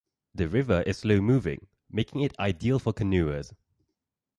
The river is slow-moving, making it ideal for canoers.